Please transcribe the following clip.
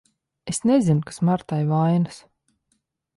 Es nezinu, kas Martai vainas.